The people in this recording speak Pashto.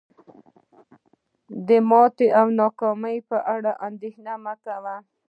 د ماتې او ناکامۍ په اړه اندیښنه مه کوه.